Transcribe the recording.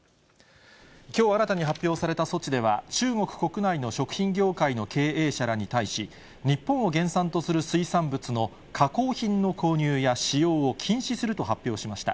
きょう新たに発表された措置では、中国国内の食品業界の経営者らに対し、日本を原産とする水産物の加工品の購入や使用を禁止すると発表しました。